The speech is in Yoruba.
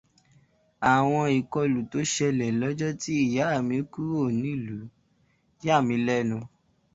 Àwọn ìkọlù tó ṣẹlẹ̀ lọ́jọ tí ìyá mi kúrò ní ìlú yà mí lẹ́nu